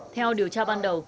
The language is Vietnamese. theo điều tra ban đầu